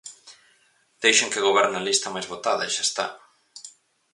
Deixen que goberne a lista máis votada e xa está.